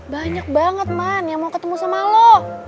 banyak banget man yang mau ketemu sama lo